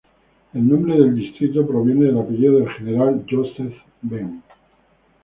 El nombre del distrito proviene del apellido del General Józef Bem.